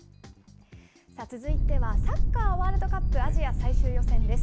続いては、サッカーワールドカップアジア最終予選です。